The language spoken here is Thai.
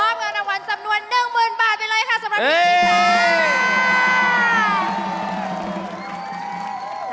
มอบกันอาวันสำนวน๑๐๐๐๐บาทไปเลยค่ะสำหรับพี่